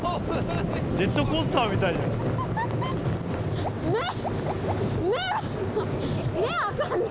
ジェットコースターみたいじゃん。